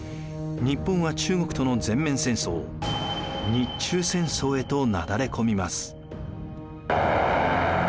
日本は中国との全面戦争日中戦争へとなだれこみます。